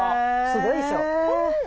すごいでしょ。